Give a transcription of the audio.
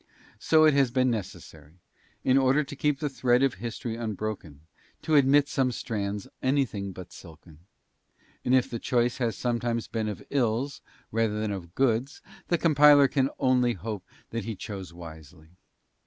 So it has been necessary, in order to keep the thread of history unbroken, to admit some strands anything but silken; and if the choice has sometimes been of ills, rather than of goods, the compiler can only hope that he chose wisely.